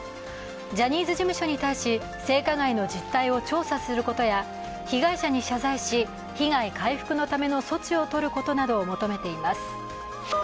ジャニーズ事務所に対し、性加害の実態を調査することや被害者に謝罪し、被害回復のための措置を取ることなどを求めています。